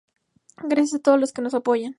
Gracias a todos los que nos apoyaron.